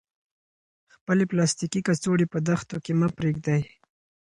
خپلې پلاستیکي کڅوړې په دښتو کې مه پریږدئ.